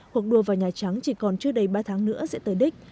học đua vào nhà trắng chỉ còn trước đây ba tháng nữa sẽ tới đích